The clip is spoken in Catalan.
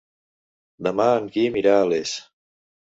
Demà en Quim irà a Les.